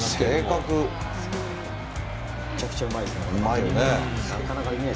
めちゃくちゃうまいですね。